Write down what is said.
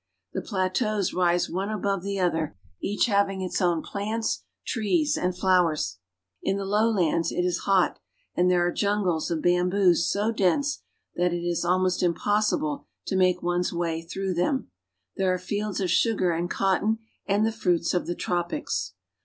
The plateaus rise one above ^e other, each having its own plants, trees, and flowers. In the lowlands it is hot, and there are jungles of bamboos .90 dense that it is almost impossible to make one's way fTflirough them ; there are fields of sugar and cotton and the jjiruits of the tropics.